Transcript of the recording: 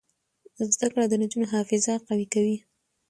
زده کړه د نجونو حافظه قوي کوي.